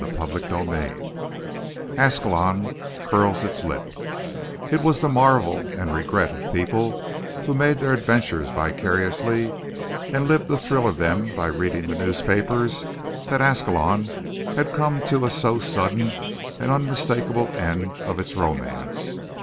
CHAPTER XXIII ASCALON CURLS ITS LIP It was the marvel and regret of people who made their adventures vicariously, and lived the thrill of them by reading the newspapers, that Ascalon had come to a so sudden and unmistakable end of its romance.